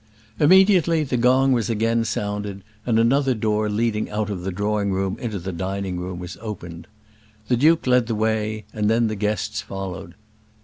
Immediately the gong was again sounded, and another door leading out of the drawing room into the dining room was opened. The duke led the way, and then the guests followed.